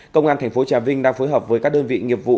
công an thành phố trà vinh đang phối hợp với các đơn vị nghiệp vụ